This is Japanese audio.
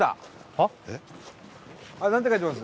あれ何て書いてます？